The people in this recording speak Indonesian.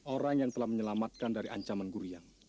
orang yang telah menyelamatkan dari ancaman guriang